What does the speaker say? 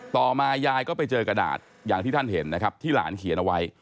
ต่อมายายก็ไปเจอกระดาษอย่างที่ท่านเห็นนะครับที่หลานเขียนเอาไว้